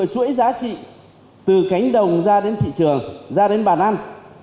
chuỗi giá trị từ cánh đồng ra đến thị trường ra đến bàn ăn